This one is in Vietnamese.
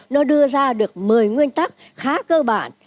nó đưa ra được một mươi nguyên tắc khá cơ bản